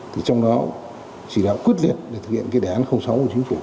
thì trong đó chỉ đạo quyết liệt để thực hiện cái đề án sáu của chính phủ